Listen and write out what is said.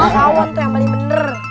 tawon tuh yang paling bener